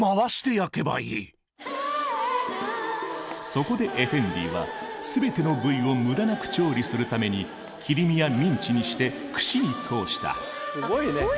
そこでエフェンディは全ての部位を無駄なく調理するために切り身やミンチにして串に通した。